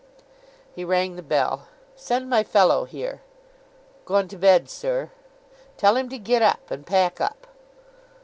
He rang the bell. 'Send my fellow here.' 'Gone to bed, sir.' 'Tell him to get up, and pack up.